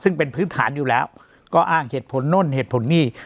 ซึ่งเป็นพื้นฐานอยู่แล้วก็อ้างเหตุผลโน่นเหตุผลนี่